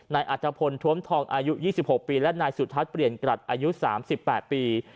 นายอัตภพลท้วมทองอายุ๒๖ปีและนายสุทัศน์เปลี่ยนกรัฐอายุ๓๘ปี